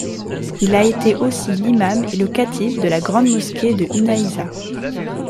Il a été aussi l'imam et le khatib de la Grande Mosquée de Unayzah.